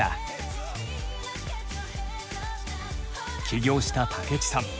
起業した武智さん